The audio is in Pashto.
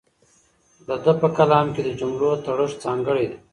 د ده په کلام کې د جملو تړښت ځانګړی دی.